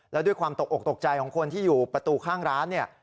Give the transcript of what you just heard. แล้วด้วยความตกอกตกใจของคนที่อยู่ประตูข้างร้านเนี่ย